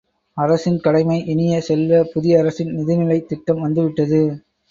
அரசின் கடமை இனிய செல்வ, புதிய அரசின் நிதிநிலைத் திட்டம் வந்து விட்டது.